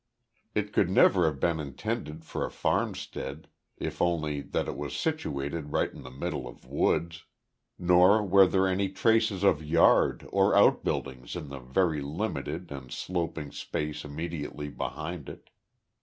It could never have been intended for a farmstead, if only that it was situated right in the middle of woods, nor were there any traces of yard or outbuildings in the very limited and sloping space immediately behind it.